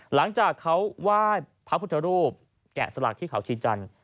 หลังจากเขาไหว้พระพุทธรูปแกะสลักที่เขาชีจันทร์